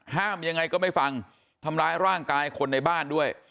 ยังไงก็ไม่ฟังทำร้ายร่างกายคนในบ้านด้วย